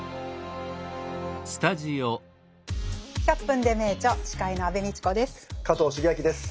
「１００分ｄｅ名著」司会の安部みちこです。